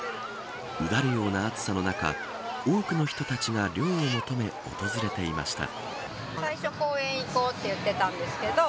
うだるような暑さの中多くの人たちが涼を求め、訪れていました。